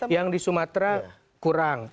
yang di sumatera kurang